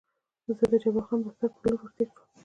زه د جبار خان بستر په لور ور تېر شوم.